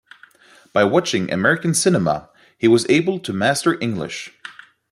By watching American cinema, he was able to master English.